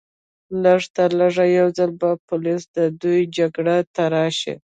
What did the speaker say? لږترلږه یو ځل به پولیس د دوی جګړې ته راشي